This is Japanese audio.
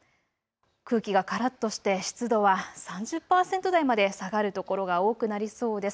空気がからっとして湿度は３０％台まで下がる所が多くなりそうです。